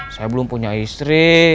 saya belum punya istri